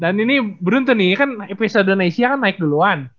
dan ini beruntun nih kan episode naysia kan naik duluan